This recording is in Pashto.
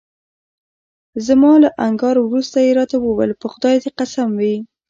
زما له انکار وروسته يې راته وویل: په خدای دې قسم وي.